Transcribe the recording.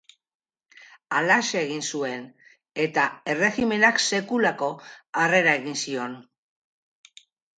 Halaxe egin zuen, eta erregimenak sekulako harrera egin zion.